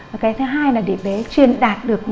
và cái thứ hai là để bé truyền đạt được